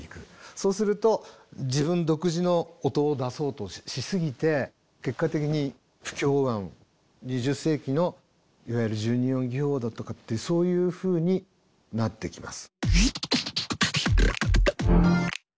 そうすると自分独自の音を出そうとしすぎて結果的に不協和音２０世紀のいわゆる十二音技法だとかってそういうふうになってきます。